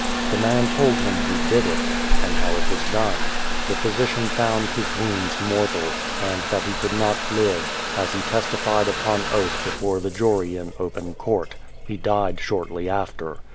The man told him who did it, and how it was done. The physician found his wounds mortal, and that he could not live, as he testified upon oath before the jury in open court. He died shortly after.